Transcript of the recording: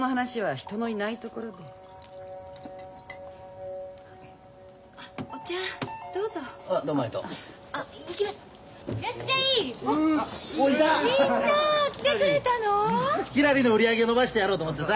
ひらりの売り上げ伸ばしてやろうと思ってさ。